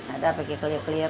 ada pergi keliru keliru